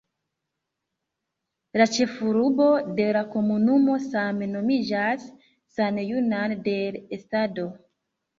La ĉefurbo de la komunumo same nomiĝas "San Juan del Estado".